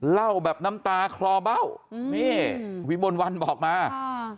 เล่าแบบน้ำตาคลอเบ้าอืมนี่วิมลวันบอกมาอ่า